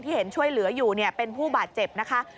เห็นช่วยเหลืออยู่เป็นผู้บาดเจ็บนะคะ